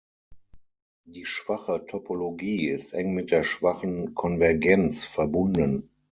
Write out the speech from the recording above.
Die schwache Topologie ist eng mit der schwachen Konvergenz verbunden.